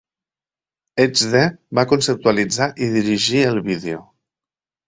Hegde va conceptualitzar i dirigir el vídeo.